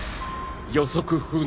予測不能